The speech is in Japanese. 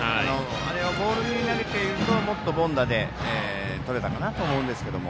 あれをボールに投げているともっと凡打でとれたかなと思うんですけども。